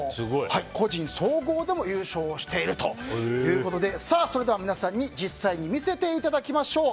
個人総合でも優勝しているということでそれでは、皆さんに実際に見せていただきましょう。